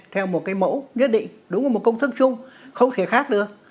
theo một cái mẫu nhất định đúng là một công thức chung không thể khác nữa